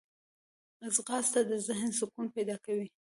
ځغاسته د ذهن سکون پیدا کوي